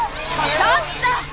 ちょっと！